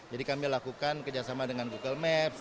jadi kami lakukan kerjasama dengan google maps